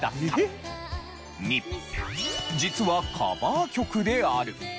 ２実はカバー曲である。